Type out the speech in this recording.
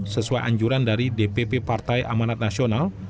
sesuai anjuran dari dpp partai amanat nasional